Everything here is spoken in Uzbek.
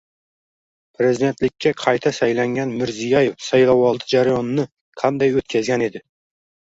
Prezidentlikka qayta saylangan Mirziyoyev saylovoldi jarayonni qanday o‘tkazgan edi?